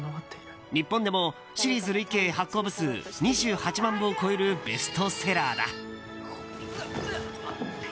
日本でも累計発行部数２８万部を超えるベストセラーだ。